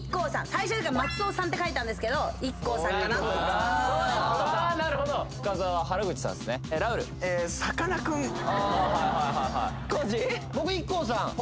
最初松尾さんって書いたんですけどＩＫＫＯさんかなと・そういうことか深澤は原口さんすねラウールさかなクン康二僕ＩＫＫＯさん